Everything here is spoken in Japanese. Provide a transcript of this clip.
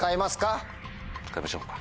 使いましょうか。